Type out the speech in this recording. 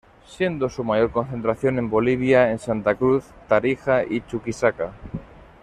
Siendo su mayor concentración en Bolivia en Santa Cruz, Tarija, y Chuquisaca.